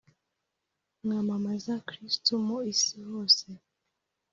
mwamamaza kristu mu isi hose